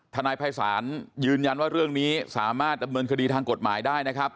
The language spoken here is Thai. ทนายภัยศาลยืนยันว่าเรื่องนี้สามารถดำเนินคดีทางกฎหมายได้นะครับ